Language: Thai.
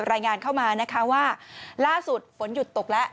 รายงานเข้ามานะคะว่าล่าสุดฝนหยุดตกแล้ว